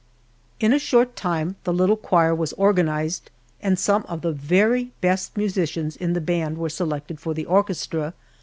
In a short time the little choir was organized and some of the very best musicians in the band were selected for the orchestra.